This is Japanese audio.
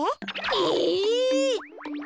え！